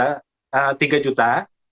dari penduli sesuatu